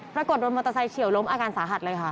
ปรากฏโดนมอเตอร์ไซค์เฉียวล้มอาการสาหัสเลยค่ะ